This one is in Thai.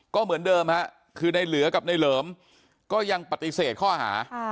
ก็เหมือนเดิมฮะคือในเหลือกับในเหลิมก็ยังปฏิเสธข้อหา